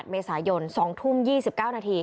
เมษายน๒ทุ่ม๒๙นาที